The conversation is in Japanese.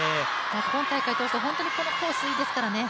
今大会通してこのコースいいですからね。